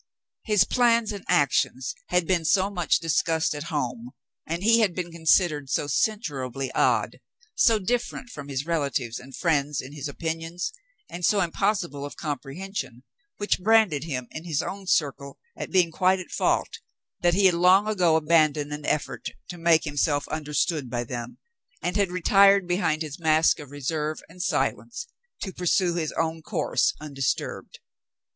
His plans and actions had been so much discussed at home and he had been considered so censurably odd — so different from his relatives and friends in his opinions, and so impossible of comprehension (which branded him in his own circle as being quite at fault) — that he had long ago abandoned 164 David meets an Enemy 165 all effort to make himself understood by them, and had retired behind his mask of reserve and silence to pursue his own course undisturbed.